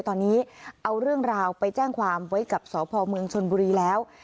ตอนนี้เอาเรื่องราวไปแจ้งความไว้กับสพเมืองชนบุรีแล้ว